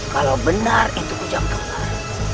kalau benar itu ujang kembar